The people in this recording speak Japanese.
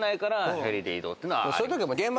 そういうときは。